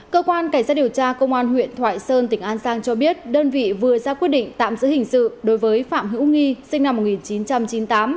cơ quan cảnh sát điều tra công an huyện thoại sơn tỉnh an giang cho biết đơn vị vừa ra quyết định tạm giữ hình sự đối với phạm hữu nghi sinh năm một nghìn chín trăm chín mươi tám